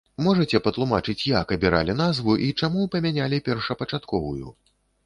Можаце патлумачыць, як абіралі назву і чаму памянялі першапачатковую?